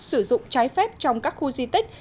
sử dụng trái phép trong các khu di tích